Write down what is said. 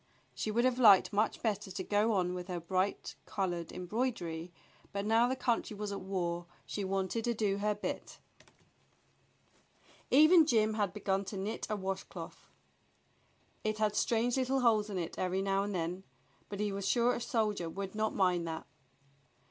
She would have liked much better to go on with her bright colored embroidery, but now the country was at war she wanted to do her bit. 10 THE BLUE AUNT Even Jim had begun to knit a washcloth. It had strange Httle holes in it every now and then, but he was sure a soldier would not mind that.